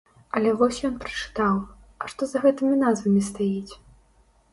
Але вось ён прачытаў, а што за гэтымі назвамі стаіць?